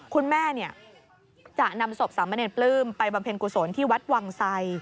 คุณแม่จะนำศพสามเณรปลื้มไปบำเพ็ญกุศลที่วัดวังไส